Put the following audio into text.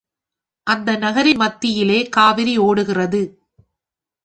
அந்த நகரின் மத்தியிலே காவிரி ஓடுகிறது.